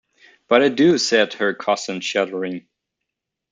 ‘But I do,’ said her cousin, shuddering.